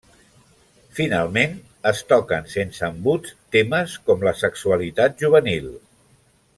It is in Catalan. Finalment, es toquen sense embuts temes com la sexualitat juvenil.